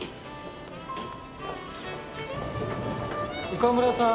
岡村さーん。